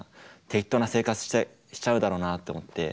適当な生活しちゃうだろうなって思って。